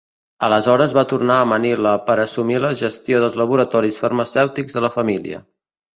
Aleshores va tornar a Manila per assumir la gestió dels laboratoris farmacèutics de la família.